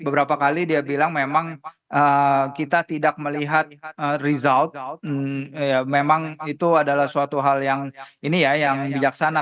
beberapa kali dia bilang memang kita tidak melihat result memang itu adalah suatu hal yang ini ya yang bijaksana